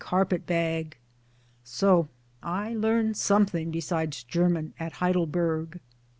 carpet bag ! So I learned something besides German at Heidelberg.